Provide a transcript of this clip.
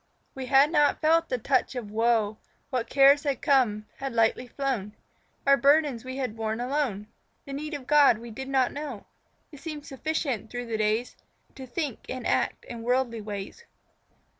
We had not felt the touch of woe; What cares had come, had lightly flown; Our burdens we had borne alone The need of God we did not know. It seemed sufficient through the days To think and act in worldly ways.